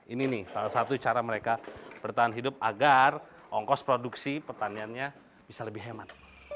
ini nih salah satu cara mereka bertahan hidup agar ongkos produksi pertaniannya bisa lebih hemat